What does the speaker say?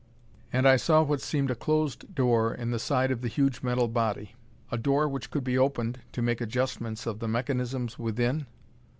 And I saw what seemed a closed door in the side of the huge metal body. A door which could be opened to make adjustments of the mechanisms within?